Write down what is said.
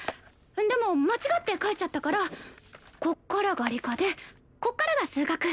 でも間違って書いちゃったからここからが理科でここからが数学。